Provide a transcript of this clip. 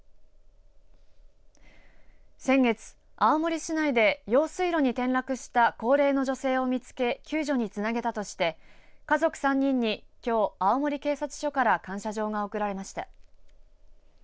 先月、青森市内で用水路に転落した高齢の女性を見つけ救助につなげたとして家族３人にきょう青森警察署から感謝状が贈られました。